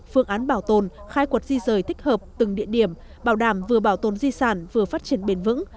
phương án bảo tồn khai quật di rời thích hợp từng địa điểm bảo đảm vừa bảo tồn di sản vừa phát triển bền vững